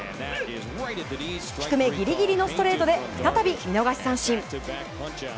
低めぎりぎりのストレートで再び見逃し三振。